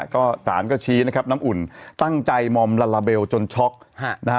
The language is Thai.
ก็สารก็ชี้นะครับน้ำอุ่นตั้งใจมอมลาลาเบลจนช็อกนะฮะ